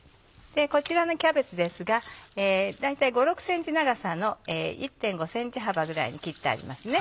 こちらのキャベツですが大体５６ｃｍ長さの１．５ｃｍ幅ぐらいに切ってありますね。